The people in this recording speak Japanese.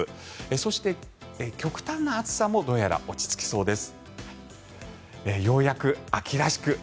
そして、極端な暑さもどうやら落ち着きそうです。